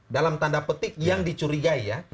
dalam tanda petik yang dicurigai ya